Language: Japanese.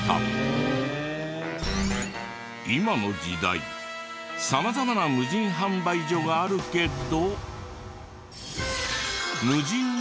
今の時代様々な無人販売所があるけど。